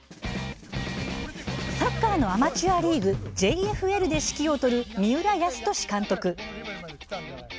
サッカーのアマチュアリーグＪＦＬで指揮を執る三浦泰年監督。